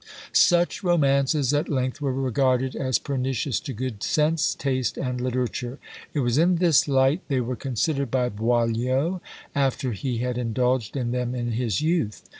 Such romances at length were regarded as pernicious to good sense, taste, and literature. It was in this light they were considered by Boileau, after he had indulged in them in his youth.